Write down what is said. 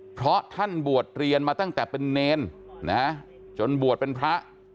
เพราะท่านบวชเรียนมาตั้งแต่เป็นเนรนะจนบวชเป็นพระ